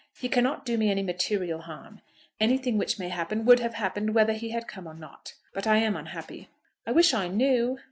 He cannot do me any material harm. Anything which may happen would have happened whether he had come or not. But I am unhappy." "I wish I knew."